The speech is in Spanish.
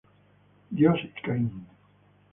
Dios y Caín.